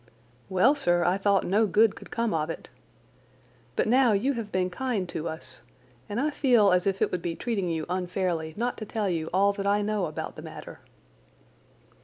"Well, sir, I thought no good could come of it. But now you have been kind to us, and I feel as if it would be treating you unfairly not to tell you all that I know about the matter."